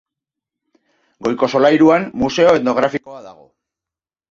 Goiko solairuan museo etnografikoa dago.